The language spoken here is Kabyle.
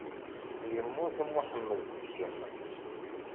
Yemmut Muḥemmed s ssem.